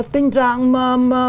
tình trạng mà